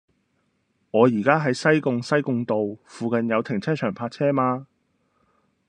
我依家喺西貢西貢道，附近有停車場泊車嗎